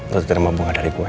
lo terima bunga dari gue